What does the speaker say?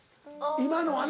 今のはな。